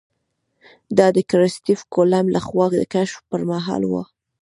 دا د کرسټېف کولمب له خوا د کشف پر مهال وه.